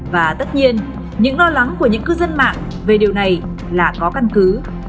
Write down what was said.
và tất nhiên những lo lắng của những cư dân mạng về điều này là khó căn cứ